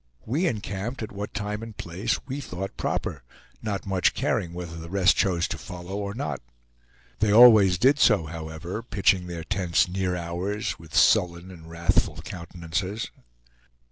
we encamped at what time and place we thought proper, not much caring whether the rest chose to follow or not. They always did so, however, pitching their tents near ours, with sullen and wrathful countenances.